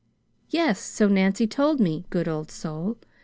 "Yes, so Nancy told me good old soul!